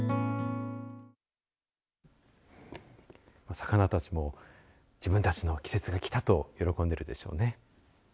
魚たちも自分たちの季節が来たと喜んでるでしょうね。